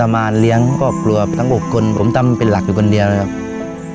มาเลี้ยงครอบครัวทั้ง๖คนผมทำเป็นหลักอยู่คนเดียวนะครับ